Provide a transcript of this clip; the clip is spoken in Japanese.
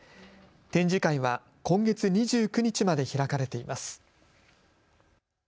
展示会は今月２９日まで開かれています。